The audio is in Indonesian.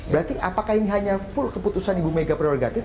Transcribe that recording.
berarti apakah ini hanya full keputusan ibu mega prerogatif